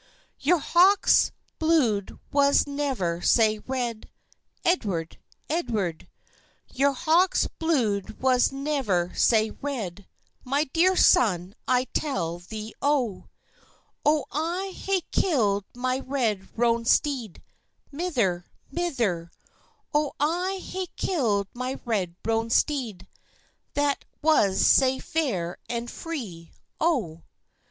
"Your hawk's blude was never sae red, Edward, Edward; Your hawk's blude was never sae red, My dear son, I tell thee, O." "O I hae killed my red roan steed, Mither, mither; O I hae killed my red roan steed, That was sae fair and free, O."